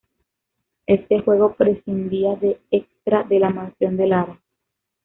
Éste juego prescindía del extra de la mansión de Lara.